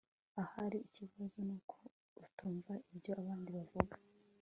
ahari ikibazo nuko utumva ibyo abandi bavuga